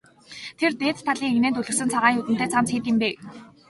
Тэр дээд талын эгнээнд өлгөсөн цагаан юүдэнтэй цамц хэд юм бэ?